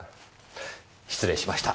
失礼しました。